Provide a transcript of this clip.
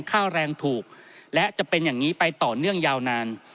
ค่าแรงถูกและจะเป็นอย่างนี้ไปต่อเนื่องยาวนาน